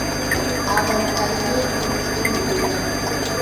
அவள் கையைப் பிடித்து இழுத்தான்.